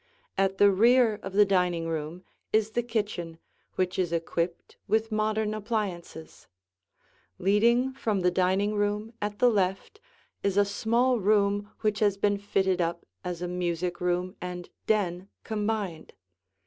At the rear of the dining room is the kitchen which is equipped with modern appliances. Leading from the dining room at the left is a small room which has been fitted up as a music room and den combined.